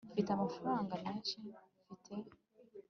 mfite amafaranga menshi mfite